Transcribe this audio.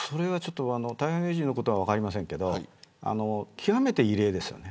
台湾有事のことは分かりませんけど極めて異例ですよね。